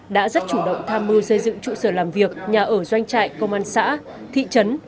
đã rất chủ động tham mưu xây dựng trụ sở làm việc nhà ở doanh trại công an xã thị trấn